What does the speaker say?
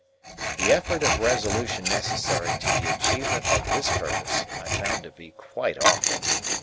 The effort of resolution necessary to the achievement of this purpose I found to be quite awful.